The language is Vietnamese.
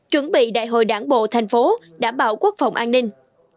chuẩn bị đại hội đảng bộ thành phố đảm bảo quốc phòng an ninh